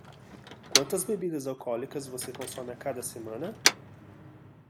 Quantas bebidas alcoólicas você consome a cada semana?